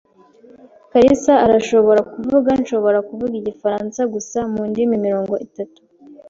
kalisa arashobora kuvuga "Nshobora kuvuga Igifaransa gusa" mu ndimi mirongo itatu.